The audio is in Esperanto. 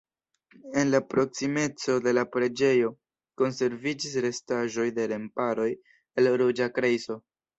En la proksimeco de la preĝejo konserviĝis restaĵoj de remparoj el ruĝa grejso.